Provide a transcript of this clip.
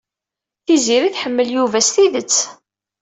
Tiziri tḥemmel Yuba s tidet.